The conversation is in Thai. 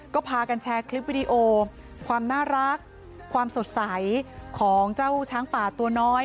ก็พากันแชร์คลิปวิดีโอความน่ารักความสดใสของเจ้าช้างป่าตัวน้อย